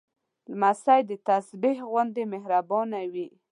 لمسی د تسبېح غوندې مهربانه وي.